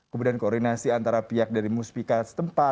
kemudian koordinasi antara pihak dari luar negara